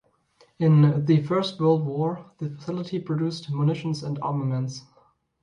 In the First World War the facility produced munitions and armaments.